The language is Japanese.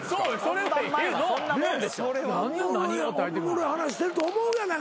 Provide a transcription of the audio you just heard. おもろい話してると思うやないか。